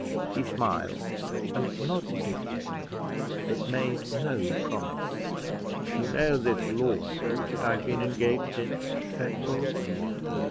He smiled, and nodded his head, but made no promise. "You know this lawsuit that I've been engaged in," said Bold.